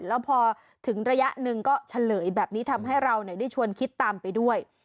แล้วพอถึงระยะหนึ่งก็เฉลยแบบนี้ทำให้เราได้ชวนคิดตามไปด้วย